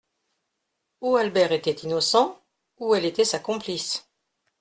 Ou Albert était innocent, ou elle était sa complice.